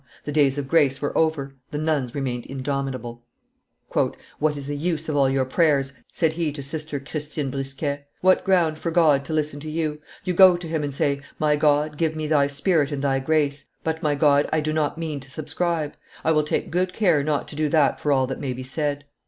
The days of grace were over, the nuns remained indomitable. "What is the use of all your prayers?" said he to Sister Christine Brisquet; "what ground for God to listen to you? You go to Him and say, 'My God, give me Thy spirit and Thy grace; but, my God, I do not mean to subscribe; I will take good care not to do that for all that may be said.